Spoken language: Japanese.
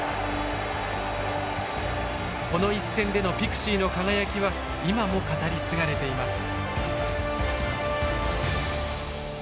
この一戦でのピクシーの輝きは今も語り継がれています。